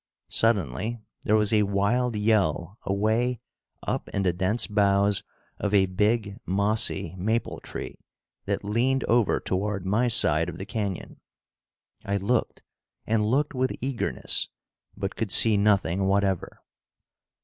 Suddenly there was a wild yell away up in the dense boughs of a big mossy maple tree that leaned over toward my side of the canyon. I looked and looked with eagerness, but could see nothing whatever.